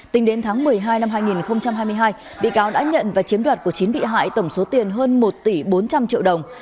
tính đến tháng một mươi hai năm hai nghìn hai mươi hai bị cáo đã nhận và chiếm đoạt của chín bị hại tổng số tiền hơn một tỷ bốn trăm linh triệu đồng